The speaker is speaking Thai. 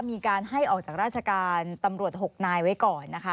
มีการให้ออกจากราชการตำรวจ๖นายไว้ก่อนนะคะ